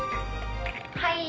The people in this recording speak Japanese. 「はい」